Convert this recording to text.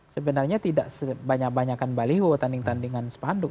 sebenarnya tidak sebanyak banyakan baliho tanding tandingan sepanduk